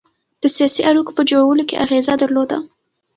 د سیاسي اړېکو په جوړولو کې اغېزه درلوده.